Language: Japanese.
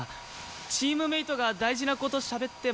チームメートが大事な事しゃべってますよ。